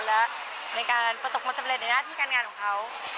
และในการประสบความสำเร็จในหน้าที่การงานของเขา